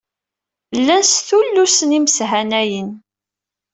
Llan stullusen imeshanayen.